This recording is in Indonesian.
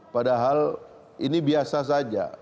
padahal ini biasa saja